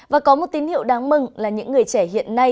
và có một tín hiệu đáng mừng là những người trẻ hiện nay